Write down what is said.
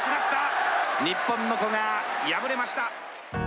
日本の古賀敗れました。